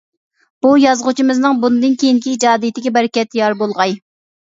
بۇ يازغۇچىمىزنىڭ بۇندىن كېيىنكى ئىجادىيىتىگە بەرىكەت يار بولغاي!